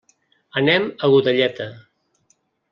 Anem a Godelleta.